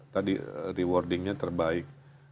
tadi rewarding nya terbaik